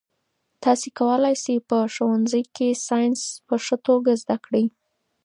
تاسي کولای شئ په ښوونځي کې ساینس په ښه توګه زده کړئ.